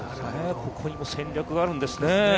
ここにも戦略があるんですね。